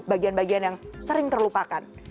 bagian bagian yang sering terlupakan